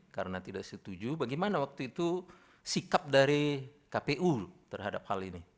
karena tidak setuju bagaimana waktu itu sikap dari kpu terhadap hal ini